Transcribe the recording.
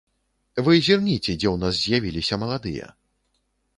Вы зірніце, дзе ў нас з'явіліся маладыя.